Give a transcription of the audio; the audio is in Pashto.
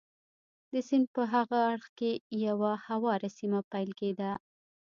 د سیند په هاغه اړخ کې یوه هواره سیمه پیل کېده.